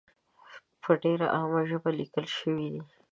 په ډېره عامه ژبه لیکل شوې دي.